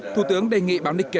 thủ tướng đề nghị báo nikkei